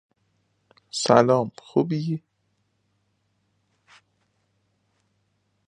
A friend of Cicero, he supported him during the Catiline Conspiracy.